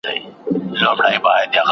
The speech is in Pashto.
موږ باید د خپلي پوهني لپاره زحمت وباسو.